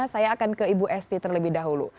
saya akan ke ibu esti terlebih dahulu